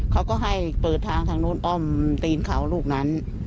เขาก็ให้เปิดทางทางนู้นอ้อมตีนเขาลูกนั้น